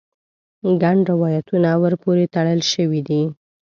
ګڼ روایتونه ور پورې تړل شوي دي.